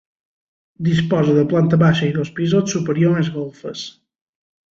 Disposa de planta baixa i dos pisos superior més golfes.